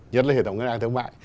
nhất là hệ thống ngân hàng thương mại